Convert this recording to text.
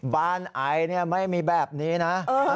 บ้านอายเนี่ยไม่มีแบบนี้นะ